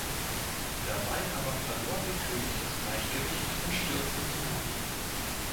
Dabei aber verlor der König das Gleichgewicht und stürzte zu Boden.